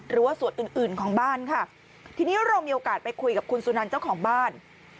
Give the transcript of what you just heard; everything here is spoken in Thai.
หรือว่าส่วนอื่นอื่นของบ้านค่ะทีนี้เรามีโอกาสไปคุยกับคุณสุนันเจ้าของบ้าน